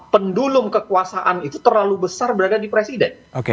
pendulum kekuasaan itu terlalu besar berada di presiden